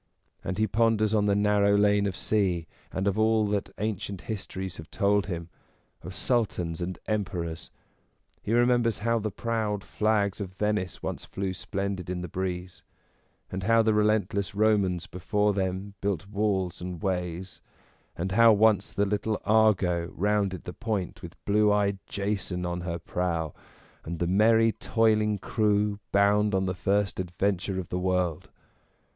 And he ponders on the narrow lane of sea, and of all that ancient histories have told him; of Sultans and Emperors; he remembers how the proud flags of Venice once flew splendid in the breeze, and how the relentless Romans before them built walls and ways, and how once the little Argo rounded the point with blue eyed Jason on her prow, and the merry, toiling crew, bound on the first adven ture of the world.